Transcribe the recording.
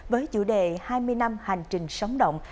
với chủ đề hai mươi năm hành trình sóng động